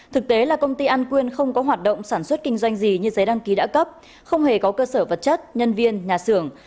thực tế là công ty an quyên không có hoạt động sản xuất kinh doanh gì như giấy đăng ký đã cấp không hề có cơ sở vật chất nhân viên nhà xưởng